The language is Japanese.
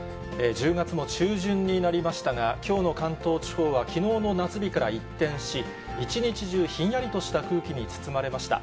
１０月も中旬になりましたが、きょうの関東地方はきのうの夏日から一転し、一日中、ひんやりとした空気に包まれました。